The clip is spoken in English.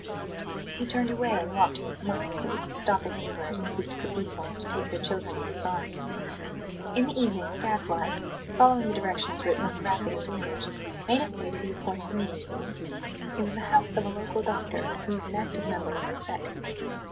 He turned away and walked through the market place, stopping everywhere to speak to the people, and to take their children in his arms. In the evening the Gadfly, following the directions written on the wrapping of the image, made his way to the appointed meeting place. It was the house of a local doctor, who was an active member of the "sect."